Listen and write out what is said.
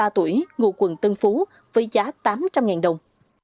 ba mươi ba tuổi ngụ quận tân phú với giá tám trăm linh đồng